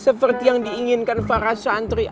seperti yang diinginkan para santri